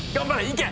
いけ！